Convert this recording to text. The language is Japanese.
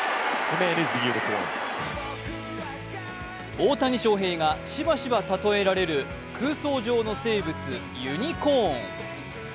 大谷翔平がしばしば例えられる空想上の生物、ユニコーン。